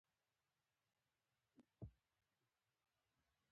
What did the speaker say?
د رستاق غونډۍ زرغونې دي